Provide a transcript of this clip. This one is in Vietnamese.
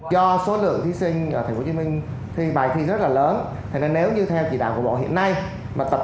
cho số lượng thí sinh tp hcm thi bài thi rất là lớn nếu như theo chỉ đạo của bộ hiện nay mà tập